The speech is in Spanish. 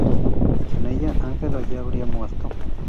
En ella, Angela ya habría muerto.